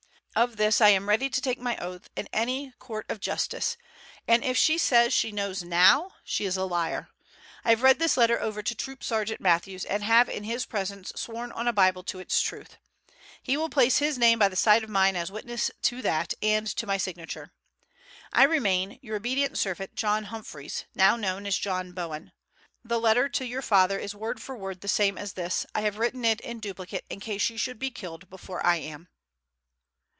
Of this I am ready to take my oath in any court of justice, and if she says she knows now, she is a liar. I have read this letter over to Troop sergeant Matthews, and have in his presence sworn on a Bible to its truth. He will place his name by the side of mine as witness to that and to my signature. I remain, your obedient servant, John Humphreys, now known as John Bowen. The letter to your father is word for word the same as this. I have written it in duplicate in case you should be killed before I am."